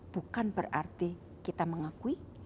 bukan berarti kita mengakui